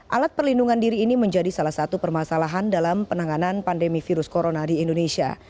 alat perlindungan diri ini menjadi salah satu permasalahan dalam penanganan pandemi virus corona di indonesia